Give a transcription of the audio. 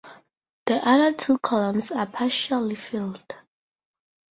The other two columns are partially filled.